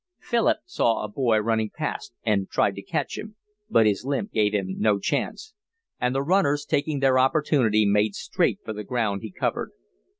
Philip saw a boy running past and tried to catch him, but his limp gave him no chance; and the runners, taking their opportunity, made straight for the ground he covered.